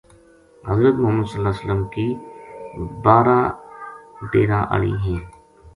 حضرت محمد ﷺ کی بارہ ڈٰیرا آلی ہیں۔